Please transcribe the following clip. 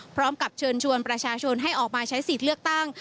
พร้อมกับเชิญชวนประชาชนให้ออกมาใช้สิทธิ์เลือกตั้ง